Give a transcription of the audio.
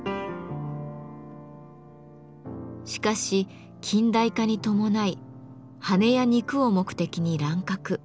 しかし近代化に伴い羽や肉を目的に乱獲。